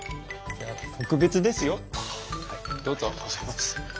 ありがとうございます。